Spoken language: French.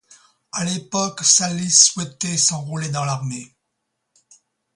A l’époque, Çalli souhaitait s’enrôler dans l’armée.